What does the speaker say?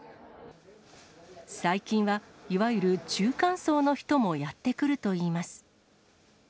最近は、いわゆる中間層の人もやって来るといいます。